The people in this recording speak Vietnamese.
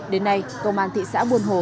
đến nay công an thị xã buôn hồ